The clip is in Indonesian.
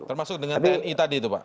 termasuk dengan tni tadi itu pak